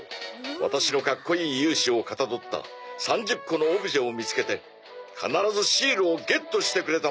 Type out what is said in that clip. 「ワタシのかっこいい勇姿をかたどった３０個のオブジェを見つけて必ずシールをゲットしてくれたまえ！」